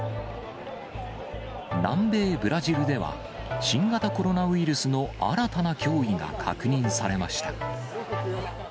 南米ブラジルでは、新型コロナウイルスの新たな脅威が確認されました。